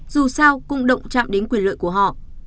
dù sao cũng động chạm đến quyền lợi của họ